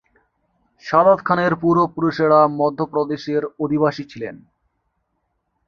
সাদাত খানের পূর্বপুরুষেরা মধ্যপ্রদেশের অধিবাসী ছিলেন।